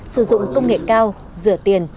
sử dụng công nghệ cao rửa tiền